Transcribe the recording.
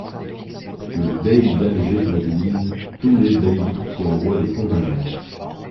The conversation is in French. Le dey d'Alger mobilise tous les beyliks qui envoient des contingents.